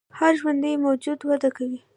هر ژوندی موجود وده کوي